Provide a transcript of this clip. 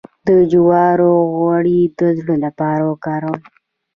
د جوارو غوړي د زړه لپاره وکاروئ